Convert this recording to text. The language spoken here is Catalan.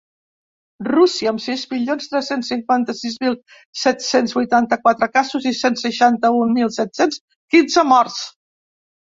Rússia, amb sis milions tres-cents cinquanta-sis mil set-cents vuitanta-quatre casos i cent seixanta-un mil set-cents quinze morts.